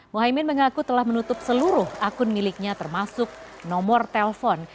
muhaymin mengaku telah menutup seluruh akun miliknya termasuk nomor telepon